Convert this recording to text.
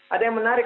ada yang menarik